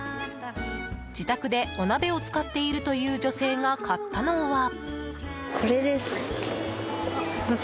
自宅でお鍋を使っているという女性が買ったのは。